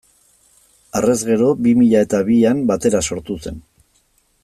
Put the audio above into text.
Harrez gero, bi mila eta bian, Batera sortu zen.